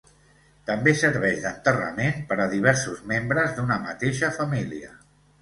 També serveix d'enterrament per a diversos membres d'una mateixa família.